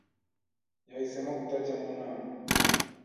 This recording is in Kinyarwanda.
Yahisemo kutajya mu nama.